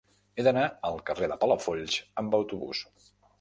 He d'anar al carrer de Palafolls amb autobús.